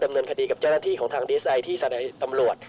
ตำเนินคดีกับเจ้าหน้าที่ทางดีไซด์ที่สำหรับตำรวจ